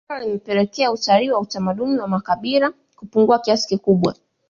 hilo limepelekea utalii wa utamaduni wa makabila kupungua kiasi kikubwa